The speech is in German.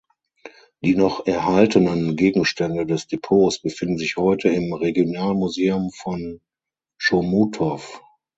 Die noch erhaltenen Gegenstände des Depots befinden sich heute im Regionalmuseum von Chomutov.